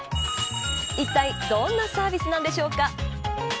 いったいどんなサービスなんでしょうか。